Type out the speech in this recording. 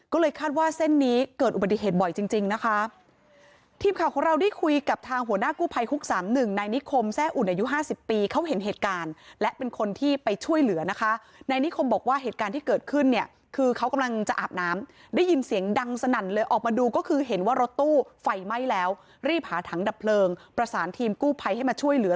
ก็เลยคาดว่าเส้นนี้เกิดอุบัติเหตุบ่อยจริงจริงนะคะทีมข่าวของเราได้คุยกับทางหัวหน้ากู้ภัยฮุกสามหนึ่งในนิคมแซ่อุ่นอายุห้าสิบปีเขาเห็นเหตุการณ์และเป็นคนที่ไปช่วยเหลือนะคะนายนิคมบอกว่าเหตุการณ์ที่เกิดขึ้นเนี่ยคือเขากำลังจะอาบน้ำได้ยินเสียงดังสนั่นเลยออกมาดูก็คือเห็นว่ารถตู้ไฟไหม้แล้วรีบหาถังดับเพลิงประสานทีมกู้ภัยให้มาช่วยเหลือ